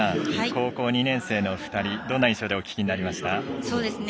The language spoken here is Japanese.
高校２年生の２人どんな印象でお聞きになりましたか。